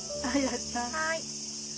はい。